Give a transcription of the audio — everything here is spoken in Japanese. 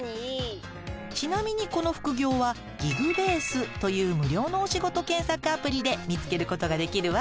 ちなみにこの副業はギグベースという無料のお仕事検索アプリで見つけることができるわ。